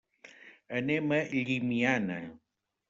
Anem a Llimiana.